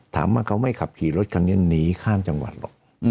ถามว่าเขาไม่ขับขี่รถคันนี้หนีข้ามจังหวัดหรอก